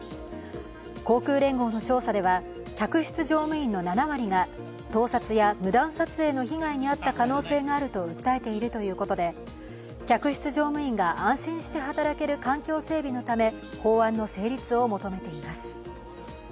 航空連合の調査では、客室乗務員の７割が盗撮や無断撮影の被害に遭った可能性があると訴えているということで、客室乗務員が安心して働ける環境整備のため法案の成立を求めています。